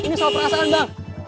ini soal perasaan bang